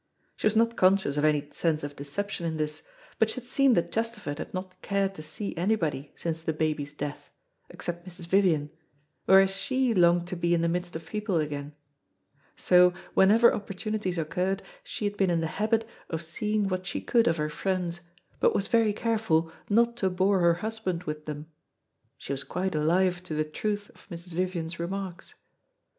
She was not conscious of any sense of deception in this, but she had seen that Chesterford had not cared to see anybody since the baby's death, except Mrs. Vivian, whereas she longed to be in the midst of people again. So, whenever opportunities occurred, she had been in the habit of seeing what she could of her friends, but was very careful not to bore her husband with them. She was quite alive to the truth of Mrs. Vivian's remarks.